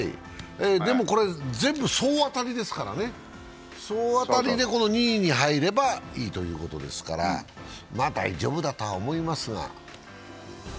でもこれ、全部総当たりですからね総当たりで２位に入ればいいということですから大丈夫だとは思いますが。